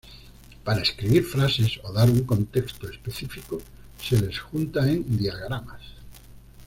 Para escribir frases o dar un contexto específico se les junta en diagramas.